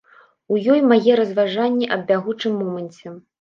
У ёй мае разважанні аб бягучым моманце.